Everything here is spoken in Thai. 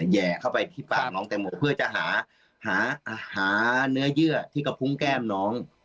แห่เข้าไปที่ปากน้องแตงโมเพื่อจะหาเนื้อเยื่อที่กระพุงแก้มน้อง